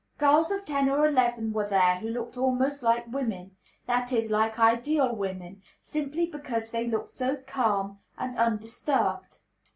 Girls of ten or eleven were there who looked almost like women, that is, like ideal women, simply because they looked so calm and undisturbed.